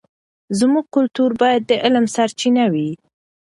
زموږ کلتور باید د علم سرچینه وي.